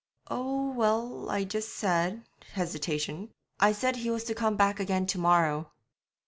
'Oh, well, I just said' hesitation 'I said he was to come back again to morrow.'